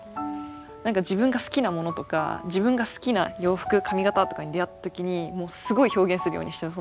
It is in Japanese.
自分が好きなものとか自分が好きな洋服髪形とかに出会った時にもうすごい表現するようにしちゃう。